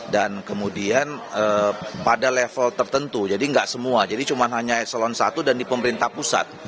dan kemudian pada level tertentu jadi nggak semua jadi cuma hanya eselon satu dan di pemerintah pusat